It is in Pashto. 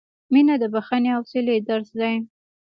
• مینه د بښنې او حوصلې درس دی.